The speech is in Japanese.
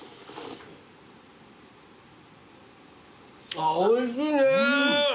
あぁおいしいね！